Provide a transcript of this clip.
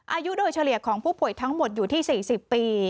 อายุโดยเฉลี่ยของผู้ป่วยทั้งหมดอยู่ที่๔๐ปี